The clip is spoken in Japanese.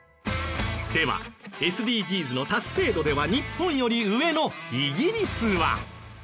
ではＳＤＧｓの達成度では日本より上のイギリスは。